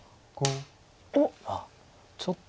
おっ！